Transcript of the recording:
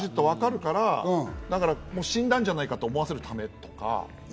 分かるから死んだんじゃないかと思わせるためとか。